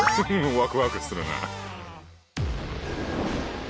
ワクワクするな！